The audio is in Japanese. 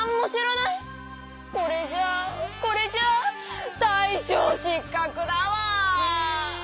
これじゃあこれじゃあ大しょう失かくだわ！